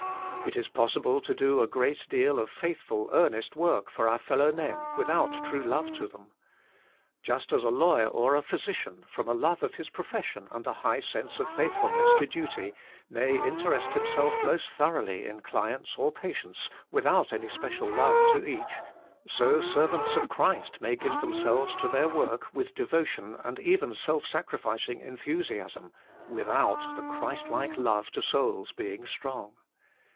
It is possible to do a great deal of faithful, earnest work for our fellowmen without true love to them. Just as a lawyer or a physician, from a love of his profession and a high sense of faithfulness to duty, may interest himself most thoroughly in clients or patients without any special love to each, so servants of Christ may give themselves to their work with devotion and even self sacrificing en thusiasm without the Christlike love to souls being strong.